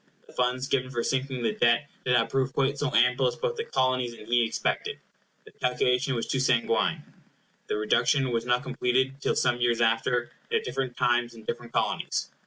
The funds given for sinking the debt did not prove quite so ample as both the Colonies and he expected. The calculation was too sanguine; the reduction was not completed till some years after, and at different times in different Colonies.